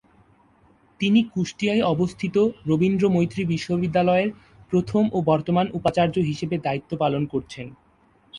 তিনি কুষ্টিয়ায় অবস্থিত রবীন্দ্র মৈত্রী বিশ্ববিদ্যালয়ের প্রথম ও বর্তমান উপাচার্য হিসেবে দায়িত্ব পালন করছেন।